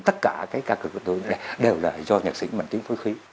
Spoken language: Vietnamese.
tất cả cái ca kịch của tôi đều là do nhạc sĩ mạnh tiến phối khí